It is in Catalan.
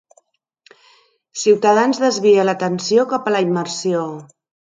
Ciutadans desvia l'atenció cap a la immersió